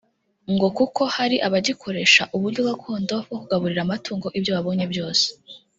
ngo kuko hari abagikoresha uburyo gakondo bwo kugaburira amatungo ibyo babonye byose